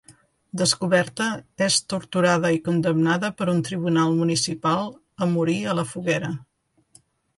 Descoberta, és torturada i condemnada per un tribunal municipal a morir a la foguera.